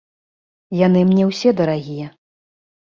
Яны мне ўсе дарагія.